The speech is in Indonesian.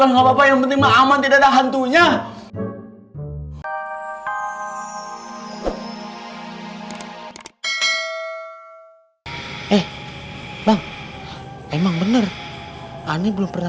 nggak apa apa yang penting aman tidak ada hantunya eh emang bener bener belum pernah